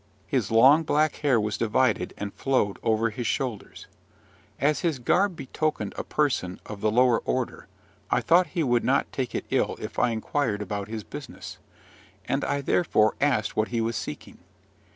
His long black hair was divided, and flowed over his shoulders. As his garb betokened a person of the lower order, I thought he would not take it ill if I inquired about his business; and I therefore asked what he was seeking.